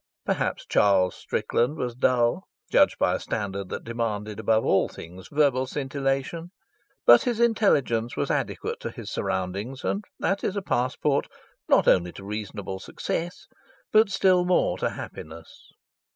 Perhaps Charles Strickland was dull judged by a standard that demanded above all things verbal scintillation; but his intelligence was adequate to his surroundings, and that is a passport, not only to reasonable success, but still more to happiness.